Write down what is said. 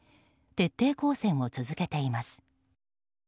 徹底抗戦を続けています。